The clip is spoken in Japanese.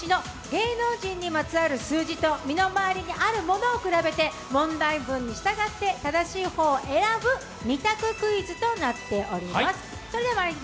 今回お越しの芸能人にまつわる数字と、身の回りにあるものを比べて問題文に従って正しい方を選ぶ２択クイズとなっております。